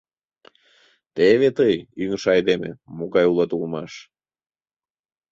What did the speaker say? — Теве тый, ӱҥышӧ айдеме, могай улат улмаш!